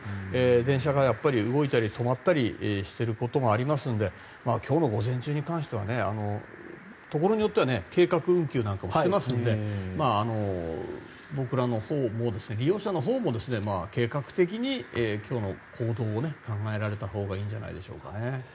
電車が、やっぱり動いたり止まったりしていることもありますので今日の午前中に関してはところによっては計画運休なんかもしていますので僕ら、利用者のほうも計画的に今日の行動を考えられたほうがいいんじゃないでしょうかね。